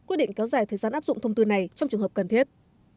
quyết định kéo dài thời gian áp dụng thông tư này trong trường hợp cần thiết